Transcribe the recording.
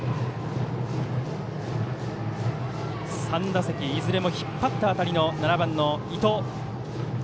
３打席いずれも引っ張った当たりの７番の伊藤。